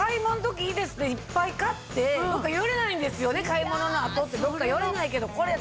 買い物の後ってどっか寄れないけど。